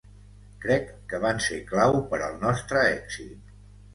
Crec que van ser clau per al nostre èxit.